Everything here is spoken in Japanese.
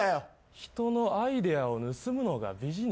人のアイデアを盗むのがビジネス？